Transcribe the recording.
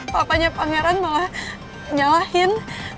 papanya pangeran malah nyalahin